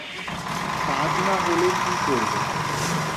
কাজ না হলে কী করবো।